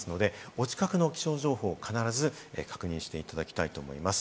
お近くの気象情報を必ず確認していただきたいと思います。